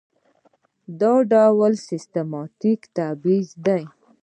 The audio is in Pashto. دا یو ډول سیستماتیک تبعیض دی.